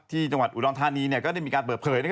ที่จังหวัดอุดรธานีก็ได้มีการเปิดเผย